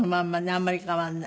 あんまり変わんない。